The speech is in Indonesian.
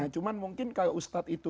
cuma mungkin kalau ustadz itu